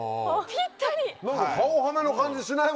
ぴったり。